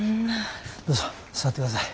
どうぞ座ってください。